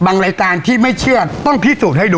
รายการที่ไม่เชื่อต้องพิสูจน์ให้ดู